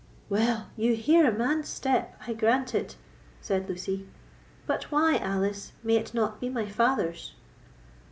"Well, you hear a man's step, I grant it," said Lucy; "but why, Alice, may it not be my father's?"